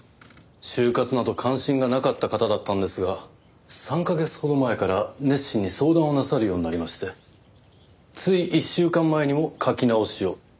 終活など関心がなかった方だったんですが３カ月ほど前から熱心に相談をなさるようになりましてつい１週間前にも書き直しを。